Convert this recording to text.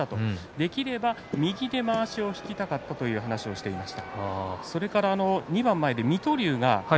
できれば右でまわしを引きたかったという話をしていました。